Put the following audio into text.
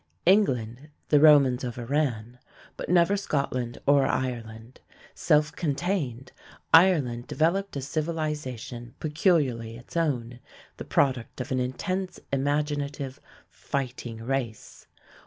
England the Romans overran, but never Scotland or Ireland. Self contained, Ireland developed a civilization peculiarly its own, the product of an intense, imaginative, fighting race.